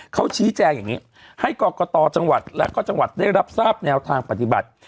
เขาชี้แจงอย่างนี้ให้กรกตจังหวัดและก็จังหวัดได้รับทราบแนวทางปฏิบัติ